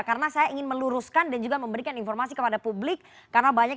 karena saya ingin meluruskan dan juga memberikan informasi kepada publik karena banyak